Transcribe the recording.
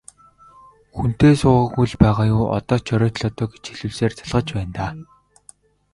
Хүнтэй суугаагүй л байгаа юу, одоо ч оройтлоо доо гэж хэлүүлсээр залхаж байна даа.